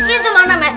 ini tuh mana me